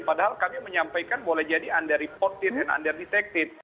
padahal kami menyampaikan boleh jadi under reported and under detected